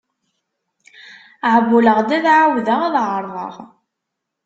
Ԑewwleɣ-d ad εawdeɣ ad εerḍeɣ.